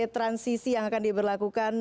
transisi yang akan diberlakukan